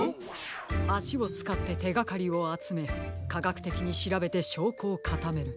あしをつかっててがかりをあつめかがくてきにしらべてしょうこをかためる。